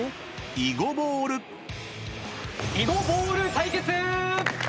囲碁ボール対決！